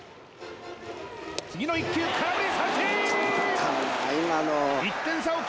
次の１球空振り三振！